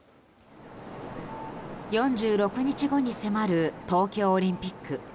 ４６日後に迫る東京オリンピック。